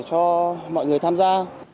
cho mọi người tham gia